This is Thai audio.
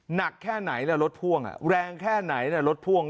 หนักแค่ไหนแล้วรถพ่วงแรงแค่ไหนรถพ่วง